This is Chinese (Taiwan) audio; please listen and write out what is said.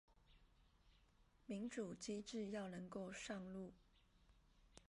民主機制要能夠上路